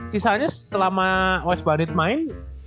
sisanya selama west badut main